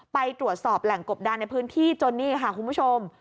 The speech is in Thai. ไปตรวจสอบแหล่งกบดานในพื้นที่จนนี่ค่ะคุณผู้ชม